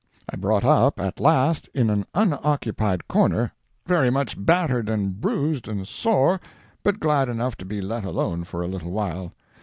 I brought up at last in an unoccupied corner, very much battered and bruised and sore, but glad enough to be let alone for a little while.